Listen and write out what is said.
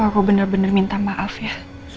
aku bener bener minta maaf ya